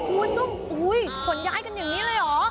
หุยหนุ่มหุ้ยขนย้ายกันอย่างนี้เลยเหรอ